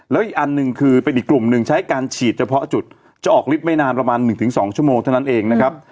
แล้วอีกอันหนึ่งคือเป็นอีกกลุ่มหนึ่งใช้การฉีดเฉพาะจุดจะออกลิฟต์ไม่นานประมาณ๑๒ชั่วโมงเท่านั้นเองนะครับ